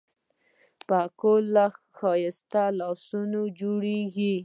پکورې له ښایسته لاسونو جوړېږي